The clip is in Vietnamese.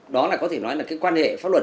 đó là có thể nói là cái quan hệ pháp luật